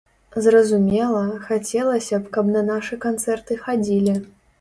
Зразумела, хацелася б, каб на нашы канцэрты хадзілі.